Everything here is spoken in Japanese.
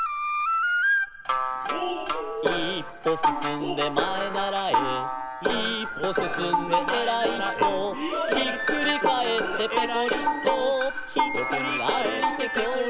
「いっぽすすんでまえならえ」「いっぽすすんでえらいひと」「ひっくりかえってぺこりんこ」「よこにあるいてきょろきょろ」